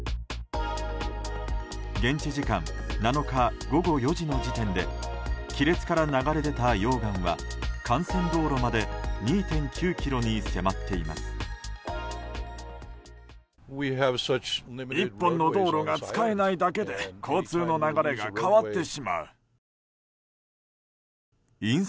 現地時間７日午後４時点までで亀裂から流れ出た溶岩は幹線道路まで２．９ｋｍに迫っています。